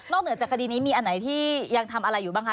เหนือจากคดีนี้มีอันไหนที่ยังทำอะไรอยู่บ้างคะ